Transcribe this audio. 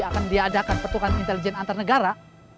akan diadakan petukan intelijen antar negara